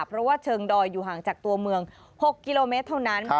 เพราะว่าเชิงดอยอยู่ห่างจากตัวเมือง๖กิโลเมตรเท่านั้น